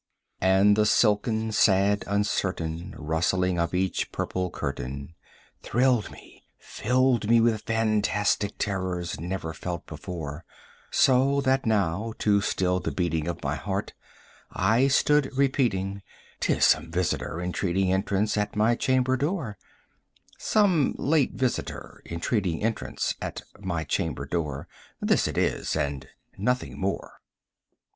And the silken sad uncertain rustling of each purple curtain Thrilled me filled me with fantastic terrors never felt before; So that now, to still the beating of my heart, I stood repeating 15 "'T is some visitor entreating entrance at my chamber door, Some late visitor entreating entrance at my chamber door: This it is and nothing more."